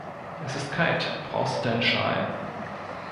Es ist kalt, brauchst du deinen Schal?